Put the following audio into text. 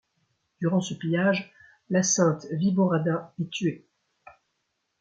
Durant ce pillage, la Sainte Wiborada est tuée.